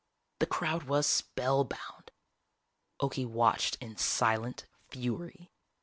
The crowd was spellbound. Okie watched in silent fury.